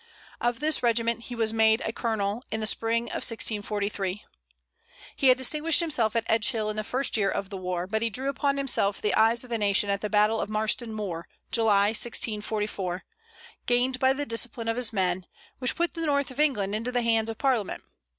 Of this regiment he was made colonel in the spring of 1643. He had distinguished himself at Edgehill in the first year of the war, but he drew upon himself the eyes of the nation at the battle of Marston Moor, July, 1644, gained by the discipline of his men, which put the north of England into the hands of Parliament.